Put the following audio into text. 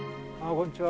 こんにちは。